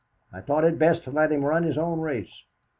I thought it best to let him run his own race.